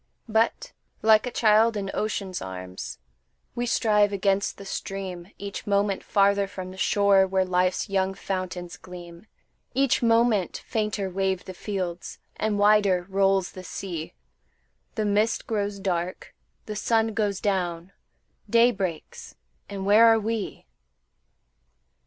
But, like a child in ocean's arms, We strive against the stream, Each moment farther from the shore Where life's young fountains gleam; Each moment fainter wave the fields, And wider rolls the sea; The mist grows dark, the sun goes down, Day breaks, and where are we?